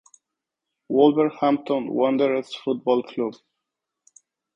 Wolverhampton Wanderers Football Club.